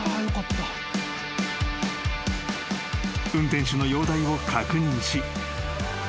［運転手の容体を確認し］